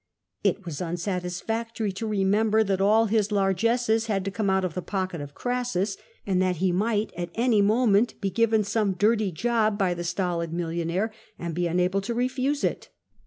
It was unsatisfactory to remember that all his largesses had to come out of the pocket of Crassus, and that he might at any moment be given some dirty job by the stolid millionaire and be unable to refuse it.